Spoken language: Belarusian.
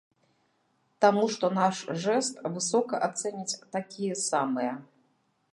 Таму што наш жэст высока ацэняць такія самыя.